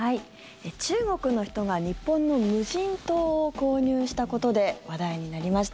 中国の人が日本の無人島を購入したことで話題になりました。